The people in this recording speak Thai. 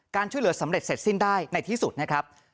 ช่วยเหลือสำเร็จเสร็จสิ้นได้ในที่สุดนะครับ